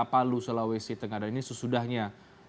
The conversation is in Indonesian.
apakah pembayaran tersebut akan menampak keterangan dari turun karenanya